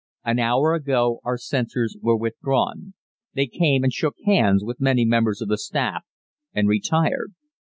An hour ago our censors were withdrawn. They came and shook hands with many members of the staff, and retired.